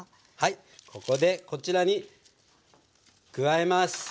ここでこちらに加えます。